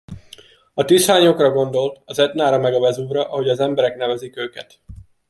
A tűzhányókra gondolt, az Etnára meg a Vezúvra, ahogy az emberek nevezik őket.